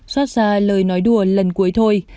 xoát ra lời nói đùa lần cuối thôi